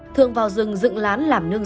thường vào rừng dựng lán làm nương